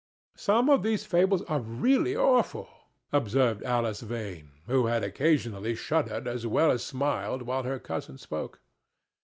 "Some of these fables are really awful," observed Alice Vane, who had occasionally shuddered as well as smiled while her cousin spoke.